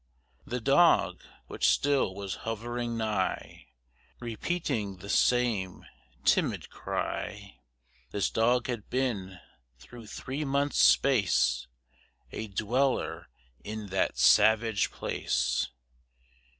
The dog, which still was hovering nigh, Repeating the same timid cry This dog had been through three months' space A dweller in that savage place.